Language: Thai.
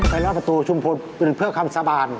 ไปรอบประตูชุมพลหรือเพื่อคำสะบาน